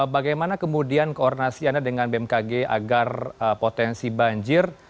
bagaimana kemudian koordinasi anda dengan bmkg agar potensi banjir